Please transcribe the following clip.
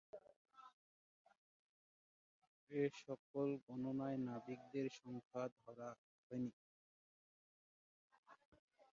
এসকল গণনায় নাবিকদের সংখ্যা ধরা হয়নি।